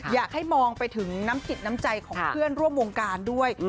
อยากให้มองไปถึงน้ำจิตน้ำใจของเพื่อนร่วมวงการด้วย